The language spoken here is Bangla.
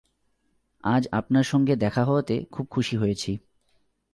আজ আপনার সঙ্গে দেখা হওয়াতে খুব খুশি হয়েছি।